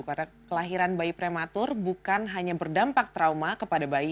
karena kelahiran bayi prematur bukan hanya berdampak trauma kepada bayi